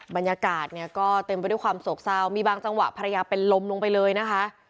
บรรยากาศเนี่ยก็เต็มไปด้วยความโศกเศร้ามีบางจังหวะภรรยาเป็นลมลงไปเลยนะคะ